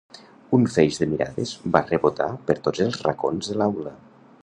Un feix de mirades va rebotar per tots els racons de l'aula.